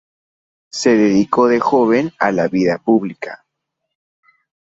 Se dedicó de joven a la vida pública.